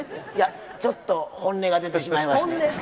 いやちょっと本音が出てしまいまして。